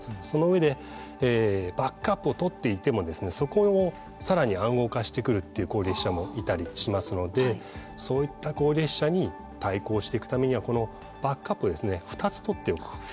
その上でバックアップを取っていてもそこをさらに暗号化してくるという攻撃者もいたりしますのでそういった攻撃者に対抗していくためにはこのバックアップを２つ取っておく。